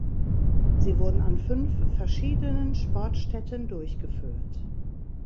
Sie wurden an fünf verschiedenen Sportstätten durchgeführt.